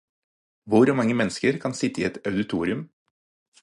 Hvor mange mennesker kan sitte i et auditorium.